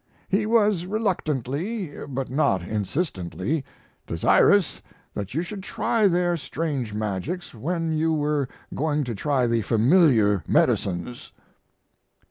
He was recurrently, but not insistently, desirous that you should try their strange magics when you were going to try the familiar medicines.